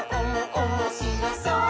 おもしろそう！」